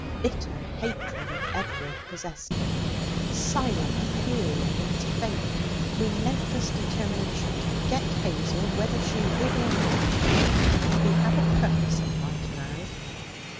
Bitter hatred of Edward possessed him, silent fury against fate, relentless determination to get Hazel whether she would or not. He had a purpose in life now.